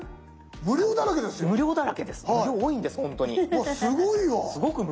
うわすごいわ。